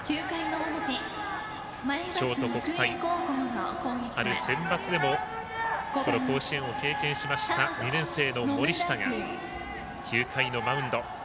京都国際、春センバツでも甲子園を経験しました２年生の森下が９回のマウンド。